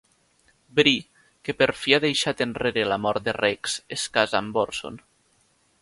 Bree, que per fi ha deixat enrere la mort de Rex, es casa amb Orson.